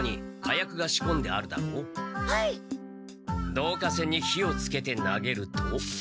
導火線に火をつけて投げると。